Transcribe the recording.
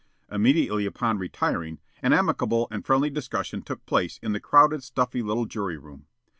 Immediately upon retiring an amicable and friendly discussion took place in the crowded, stuffy little jury room.